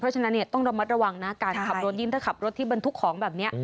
เพราะฉะนั้นต้องระมัดระวังนะการขับรถยิ่งถ้าขับรถที่บรรทุกของแบบนี้